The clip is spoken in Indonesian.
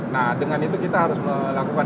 nah dengan itu kita harus melakukan